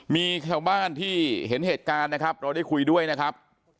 มีชาวบ้านที่เห็นเหตุการณ์นะครับเราได้คุยด้วยนะครับ